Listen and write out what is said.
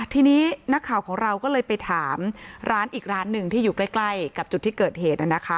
ทีนี้นักข่าวของเราก็เลยไปถามร้านอีกร้านหนึ่งที่อยู่ใกล้กับจุดที่เกิดเหตุ